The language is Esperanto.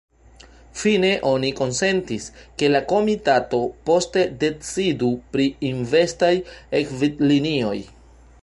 Fine oni konsentis, ke la komitato poste decidu pri investaj gvidlinioj.